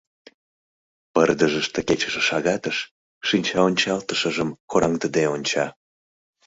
Пырдыжыште кечыше шагатыш шинчаончалтышыжым кораҥдыде онча.